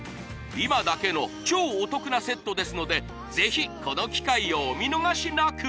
今だけの超お得なセットですのでぜひこの機会をお見逃しなく